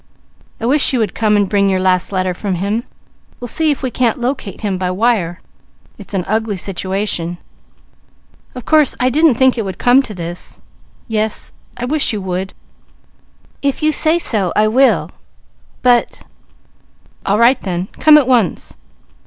I wish you would come and bring your last letter from him. We'll see if we can't locate him by wire. It's an ugly situation. Of course I didn't think it would come to this. Yes I wish you would! If you say so, I will, but All right then. Come at once!